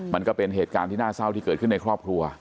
มันก็เป็นเหตุการณ์ที่น่าเศร้าที่เกิดขึ้นในครอบครัว